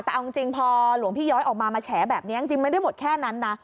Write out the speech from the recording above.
ถ้าหลวงพี่ย้อยมาแบบนี้จริงไม่ได้หมดแค่นั้นนะ